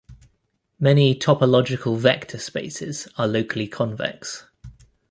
Many topological vector spaces are locally convex.